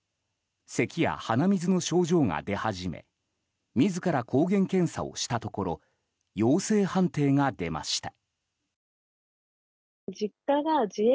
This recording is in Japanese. せきや鼻水の症状が出始め自ら抗原検査をしたところ陽性判定が出ました。